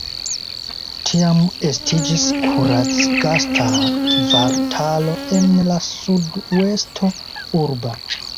Tiam estiĝis kuracgasta kvartalo en la suduesto urba.